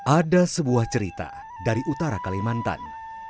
ada sebuah cerita dari utara kalimantan